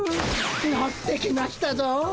のってきましたぞ！